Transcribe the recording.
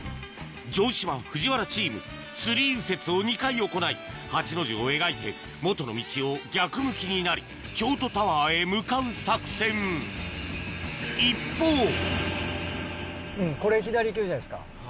城島・藤原チーム３右折を２回行い８の字を描いてもとの道を逆向きになり京都タワーへ向かう作戦一方これ左行けるじゃないですか